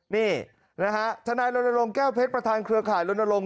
นี่นะฮะทนายรณรงค์แก้วเพชรประธานเครือข่ายลนลง